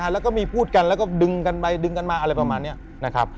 แล้วก็มีพูดกันแล้วก็ดึงกันไปดึงกันมาอะไรประมาณนี้นะครับ